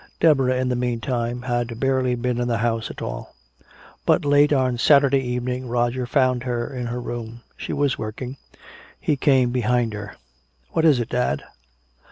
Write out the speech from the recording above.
Deborah, in the meantime, had barely been in the house at all. But late on Saturday evening Roger found her in her room. She was working. He came behind her. "What is it, dad?"